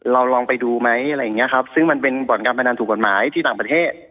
ลองไปดูไหมอะไรอย่างเงี้ยครับซึ่งมันเป็นบ่อนการพนันถูกกฎหมายที่ต่างประเทศ